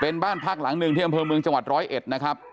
เป็นบ้านพักหลังหนึ่งที่อำเภอเมืองจังหวัดร้อยเอ็ดนะครับ